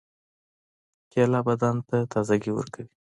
کېله بدن ته تازګي ورکوي.